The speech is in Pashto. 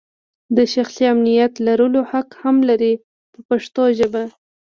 د شخصي امنیت لرلو حق هم لري په پښتو ژبه.